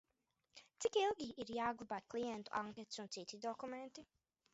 Cik ilgi ir jāglabā klientu anketas un citi dokumenti?